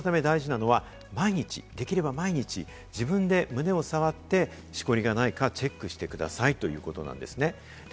そのため大事なのは、毎日、できれば毎日自分で胸を触って、しこりがないかチェックしてくださいということなんですね。